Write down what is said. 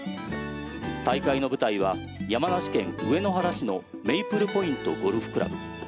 大会の舞台は山梨県上野原市のメイプルポイントゴルフクラブ。